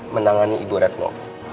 menangani ibu retno